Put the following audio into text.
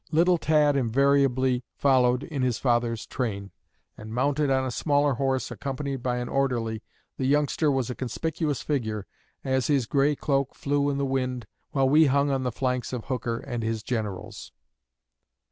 Little Tad invariably followed in his father's train; and, mounted on a smaller horse, accompanied by an orderly, the youngster was a conspicuous figure, as his gray cloak flew in the wind while we hung on the flanks of Hooker and his generals."